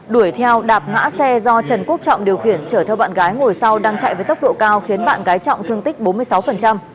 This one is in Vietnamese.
đuổi theo đạp ngã xe do trần quốc trọng điều khiển chở theo bạn gái ngồi sau đang chạy với tốc độ cao khiến bạn gái trọng thương tích bốn mươi sáu